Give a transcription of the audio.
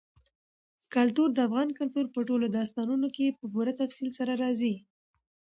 کلتور د افغان کلتور په ټولو داستانونو کې په پوره تفصیل سره راځي.